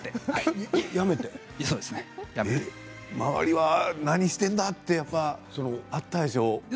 周りは何をやっているんだというのがあったでしょう？